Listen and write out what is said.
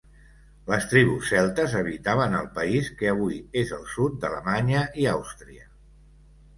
Les tribus celtes habitaven el país que avui és el sud d'Alemanya i Àustria.